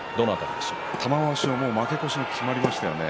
玉鷲はもう負け越しが決まりましたよね。